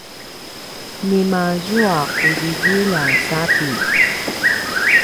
nima zua qudjidjilj a sapitj?